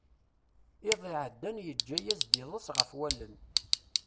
Iḍ iɛeddan yeǧǧa-as-d iḍes ɣef wallen.